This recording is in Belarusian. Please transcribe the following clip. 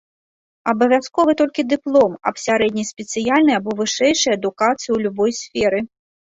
Абавязковы толькі дыплом аб сярэдняй спецыяльнай або вышэйшай адукацыі ў любой сферы.